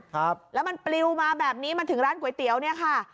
ครับแล้วมันปลิวมาแบบนี้มาถึงร้านก๋วยเตี๋ยวเนี่ยค่ะ